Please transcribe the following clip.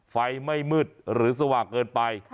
ไฟไม่มืดหรือสว่างเกินไป